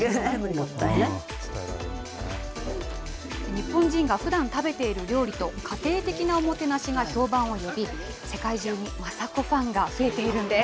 日本人がふだん食べている料理と家庭的なおもてなしが評判を呼び、世界中にマサ子ファンが増えているんです。